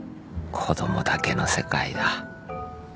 子供だけの世界だ。